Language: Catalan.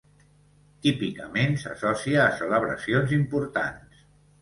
Típicament s'associa a celebracions importants.